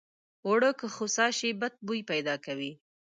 اوړه که خوسا شي بد بوي پیدا کوي